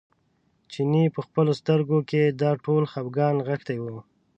چیني په خپلو سترګو کې دا ټول خپګان نغښتی و.